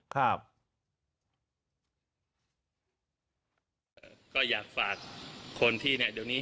ก็อยากฝากคนที่เนี่ย